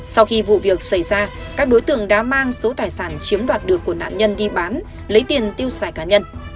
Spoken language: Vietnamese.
sau khi vụ việc xảy ra các đối tượng đã mang số tài sản chiếm đoạt được của nạn nhân đi bán lấy tiền tiêu xài cá nhân